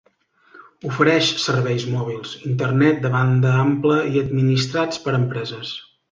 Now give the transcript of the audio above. Ofereix serveis mòbils, Internet de banda ampla i administrats per empreses.